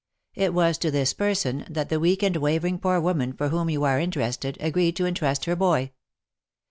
It was to this person, that the weak and wavering poor woman for whom you are interested, agreed to intrust her boy.